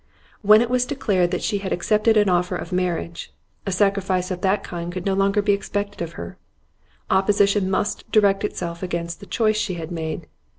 When it was declared that she had accepted an offer of marriage, a sacrifice of that kind could no longer be expected of her. Opposition must direct itself against the choice she had made.